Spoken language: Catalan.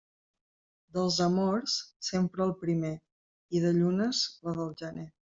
Dels amors sempre el primer, i de llunes, la del gener.